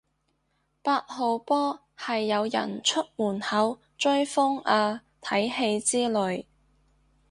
八號波係有人出門口追風啊睇戲之類